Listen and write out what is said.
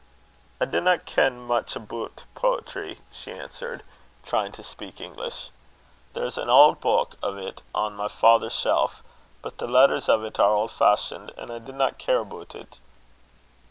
"I dinna ken much about poetry," she answered, trying to speak English. "There's an old book o't on my father's shelf; but the letters o't are auld fashioned, an' I dinna care aboot it."